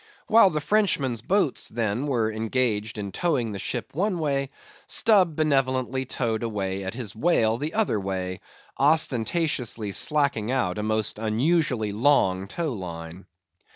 While the Frenchman's boats, then, were engaged in towing the ship one way, Stubb benevolently towed away at his whale the other way, ostentatiously slacking out a most unusually long tow line.